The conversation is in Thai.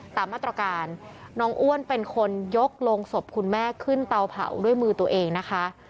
ตามมาตรการน้องอ้วนเป็นคนยกโรงศพคุณแม่ขึ้นเตาเผาด้วยมือตัวเองนะคะ